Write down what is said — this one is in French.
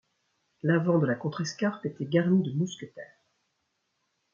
L'avant de la contrescarpe était garni de mousquetaires.